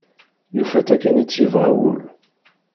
Yufa-tt akken i tt-yebɣa wul.